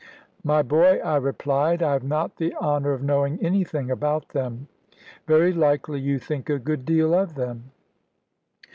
"My boy," I replied, "I have not the honour of knowing anything about them. Very likely you think a good deal of them."